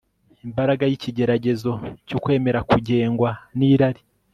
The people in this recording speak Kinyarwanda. Imbaraga yikigeragezo cyo kwemera kugengwa nirari